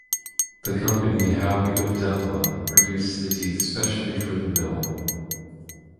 The company Howie of Dunlop produced the teeth specially for the mill.